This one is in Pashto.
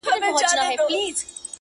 تل له نوي کفن کښه څخه ژاړي،